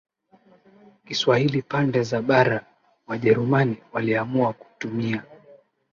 Kiswahili pande za bara Wajerumani waliamua kutumia